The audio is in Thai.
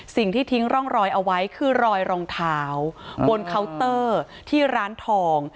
ทิ้งร่องรอยเอาไว้คือรอยรองเท้าบนเคาน์เตอร์ที่ร้านทอง